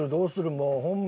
もうホンマ。